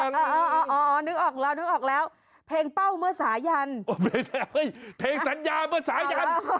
เนื่องออกละเนื่องออกแล้ว